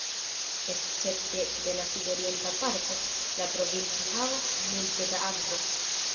Escepte de la sudorienta parto, la provinco havas multe da akvo.